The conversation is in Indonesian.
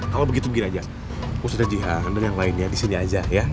kalau begitu begini aja